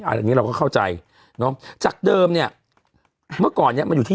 อันนี้เราก็เข้าใจเนอะจากเดิมเนี้ยเมื่อก่อนเนี้ยมันอยู่ที่